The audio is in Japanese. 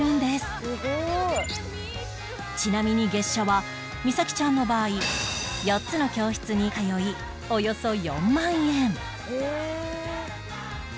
ちなみに月謝は美紗姫ちゃんの場合４つの教室に通いおよそ４万円